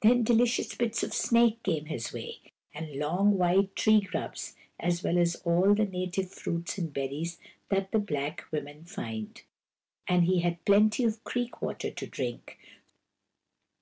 Then delicious bits of snake came his way, and long white tree grubs, as well as all the native fruits and berries that the black women find ; and he had plenty of creek water to drink.